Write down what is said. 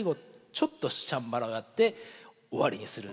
ちょっとチャンバラがあって終わりにする。